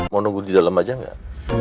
mau nunggu di dalam aja nggak